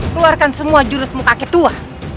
keluarkan semua jurusmu kakek tua